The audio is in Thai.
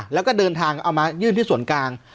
แล้วก็เดินทางเอามายื่นที่ส่วนกลาง